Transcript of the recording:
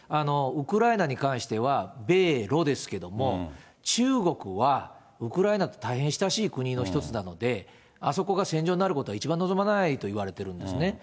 ウクライナに関しては米ロですけれども、中国はウクライナと大変親しい国の一つなので、あそこが戦場になることは一番望まないといわれてるんですね。